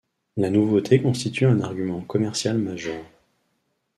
La nouveauté constitue un argument commercial majeur.